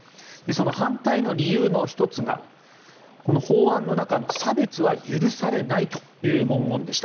反対の理由の１つが法案の中の差別は許されないという文言でした。